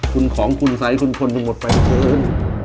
คุณของคุณทรายคุณคนทุกหมดไปเจ๊ือน